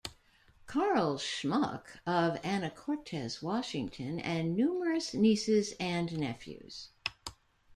Carl Schmuck of Anacortes, Washington, and numerous nieces and nephews.